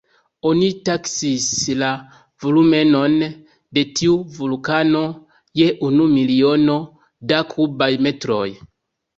Oni taksis la volumenon de tiu vulkano je unu miliono da kubaj metroj.